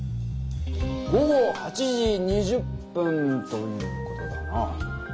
午後８時２０分という事だな。